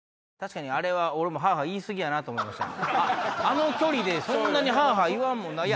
あの距離でそんなにハァハァ言わんもんな。